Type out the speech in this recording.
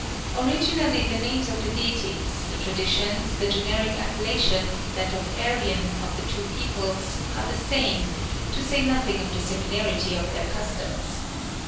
Originally the names of the deities, the traditions, the generic appellation, that of Aryan, of the two peoples, are the same, to say nothing of the similarity of their customs.